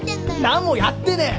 何もやってねえ！